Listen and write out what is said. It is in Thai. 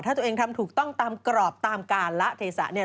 ถ้าตัวเองทำถูกต้องตามกรอบตามการละเทศะเนี่ย